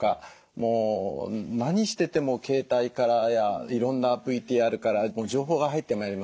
もう何してても携帯からやいろんなＶＴＲから情報が入ってまいりますでしょ。